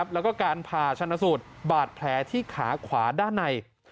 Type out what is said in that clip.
แล้วก็การผ่าชนสูตรบาดแผลที่ขาขวาด้านใน